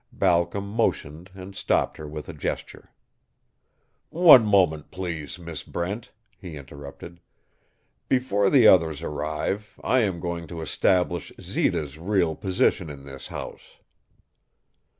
Balcom motioned and stopped her with a gesture. "One moment, please, Miss Brent," he interrupted. "Before the others arrive I am going to establish Zita's real position in this house."